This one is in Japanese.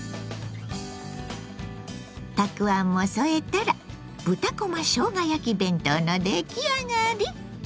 たくあんも添えたら豚こましょうが焼き弁当の出来上がり！